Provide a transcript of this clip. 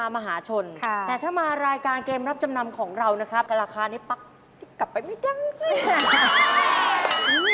ที่ทำมาหาชนค่ะแต่ถ้ามารายการเกมรับจำนำของเรานะครับราคานี้ปั๊กกลับไปไม่ดังนิดหนึ่ง